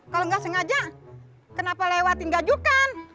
kalau nggak sengaja kenapa lewatin gajukan